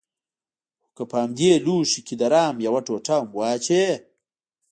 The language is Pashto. خو که په همدې لوښي کښې د رحم يوه ټوټه هم واچوې.